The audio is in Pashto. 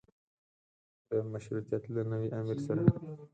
دویم مشروطیت له نوي امیر سره.